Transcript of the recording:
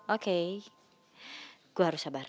oke gue harus sabar